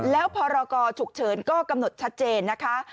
แล้วพรกรฉุกเฉินก็กำหนดชัดเจนนะคะ